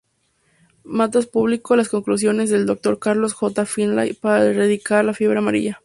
Matas publicó las conclusiones del Dr. Carlos J. Finlay para erradicar la fiebre amarilla.